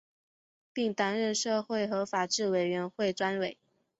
并担任社会和法制委员会专委。